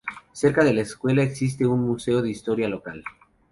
Cerca de la escuela existe un museo de historia local.